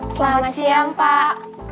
selamat siang pak